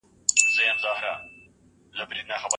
هغه مجرمین په عام محضر کې خپلو آدمخورو سپیو ته اچول.